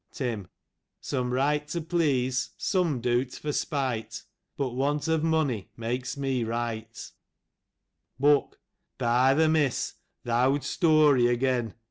Tim :" Some write to please, some do't for Spite, But want of money makes mo write. " Book : By th' mass, th' owd story again